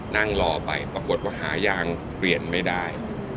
นั่งรอไปปรากฏว่าหายางเปลี่ยนไม่ได้